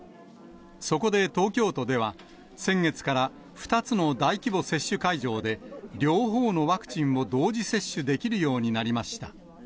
そこで東京都では、先月から２つの大規模接種会場で、両方のワクチンを同時接種できるようになりました。